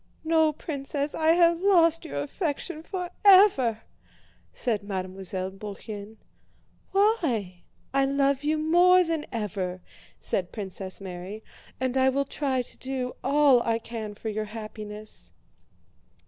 "No, Princess, I have lost your affection forever!" said Mademoiselle Bourienne. "Why? I love you more than ever," said Princess Mary, "and I will try to do all I can for your happiness."